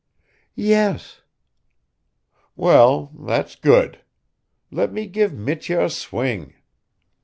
"Yes." "Well, that's good. Let me give Mitya a swing."